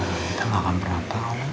kita gak akan pernah tau